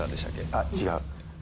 あっ違う。